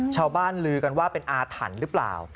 ลือกันว่าเป็นอาถรรพ์หรือเปล่า